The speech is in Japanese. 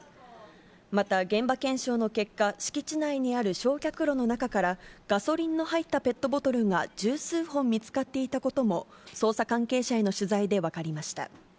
また現場検証の結果、敷地内にある焼却炉の中から、ガソリンの入ったペットボトルが十数本見つかっていたことも、捜査関係者への取材で分かりました。